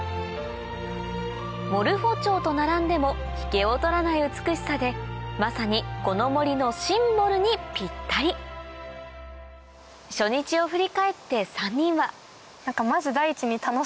モルフォチョウと並んでも引けを取らない美しさでまさにこの森のシンボルにぴったり初日を振り返って３人はまず第一に。